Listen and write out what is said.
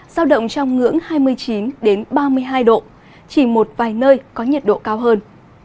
giao động trong ngưỡng hai mươi chín ba mươi hai độ chỉ một vài nơi có nhiệt độ cao hơn